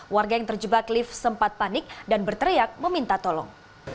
warga yang terjebak lift sempat panik dan berteriak meminta tolong